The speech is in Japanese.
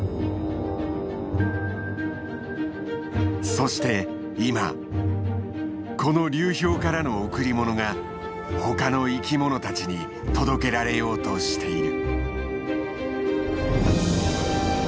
そして今この流氷からの贈り物が他の生き物たちに届けられようとしている。